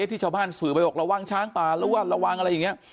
ที่ชาวบ้านสื่อไปบอกระวังช้างป่าหรือว่าระวังอะไรอย่างนี้